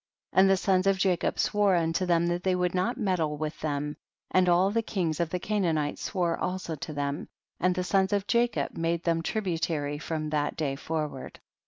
48. And the sons of Jacob swore unto them that they would not med dle with them, and all the kings of the Canaanites swore also to them, and the sons of Jacob made them tributary from that day forward.